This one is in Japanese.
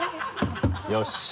よし。